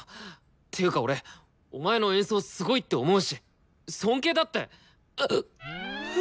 ていうか俺お前の演奏すごいって思うし尊敬だって。